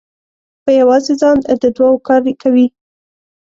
په یوازې ځان د دوو کار کوي.